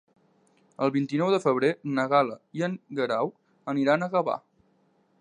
El vint-i-nou de febrer na Gal·la i en Guerau aniran a Gavà.